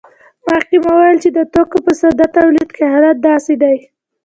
مخکې مو وویل چې د توکو په ساده تولید کې حالت داسې دی